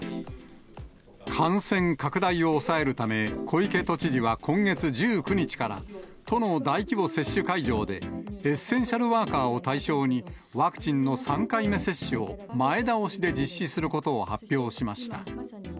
感染拡大を抑えるため、小池都知事は今月１９日から、都の大規模接種会場で、エッセンシャルワーカーを対象に、ワクチンの３回目接種を前倒しで実施することを発表しました。